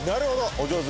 お上手。